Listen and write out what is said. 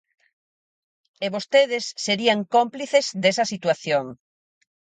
E vostedes serían cómplices desa situación.